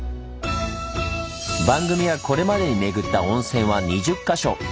番組がこれまでにめぐった温泉は２０か所！